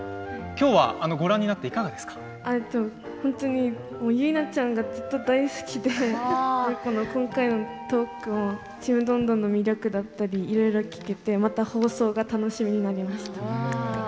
きょうご覧になっていかが結菜ちゃんがずっと大好きで今回トークも「ちむどんどん」の魅力だったりいろいろ聞けてまた放送が楽しみになりました。